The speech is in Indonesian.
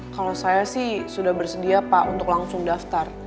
kalau saya sih sudah bersedia pak untuk langsung daftar